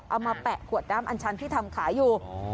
มาแปะขวดน้ำอันชันที่ทำขายอยู่